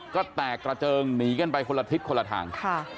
ก็แตกกระเจิงหนีกันไปคนละทิศคนละทาง